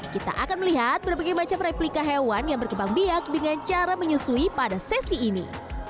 kita akan melihat berbagai macam replika hewan yang berkembang biak dengan cara menyusui pada sesi ini